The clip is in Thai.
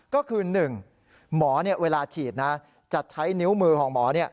ก็คือ๑หมอเวลาฉีดนะจะใช้นิ้วมือของหมอ